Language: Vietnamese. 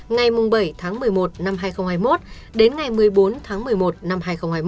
ngày bảy tháng một mươi một năm hai nghìn hai mươi một đến ngày một mươi bốn tháng một mươi một năm hai nghìn hai mươi một